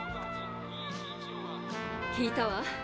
聞いたわ。